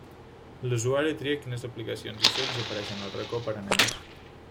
L'usuari tria quines aplicacions i jocs apareixen al Racó per a nens.